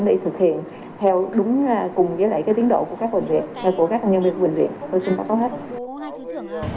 để thực hiện theo đúng cùng với lại tiến độ của các nhân viên bệnh viện tôi xin bắt đầu hết